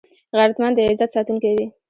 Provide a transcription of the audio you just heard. غیرتمند د عزت ساتونکی وي